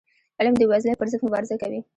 علم د بېوزلی پر ضد مبارزه کوي.